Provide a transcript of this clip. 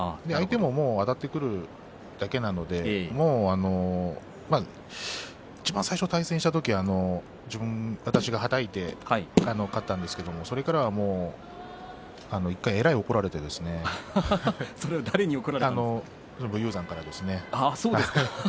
相手もあたっていくだけなのでいちばん最初に対戦した時は私がはたいて勝ったんですがそれからは１回えらい怒られて武雄山から怒られたんです。